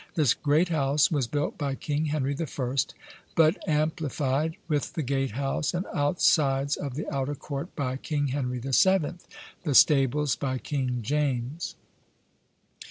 This great house was built by King Henry the First, but ampleyfied with the gate house and outsides of the outer court, by King Henry the Seventh, the stables by King James.